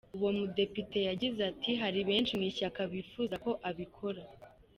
Uwo mudepite yagize ati “Hari benshi mu ishyaka bifuzaga ko abikora.